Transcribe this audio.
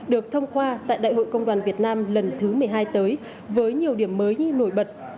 được thông qua tại đại hội công đoàn việt nam lần thứ một mươi hai tới với nhiều điểm mới như nổi bật